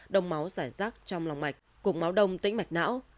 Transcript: đông máu giải rác trong lòng mạch cục máu đông tĩnh mạch não